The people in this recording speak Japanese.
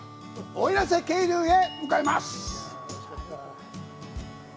奥入瀬渓流へ向かいます！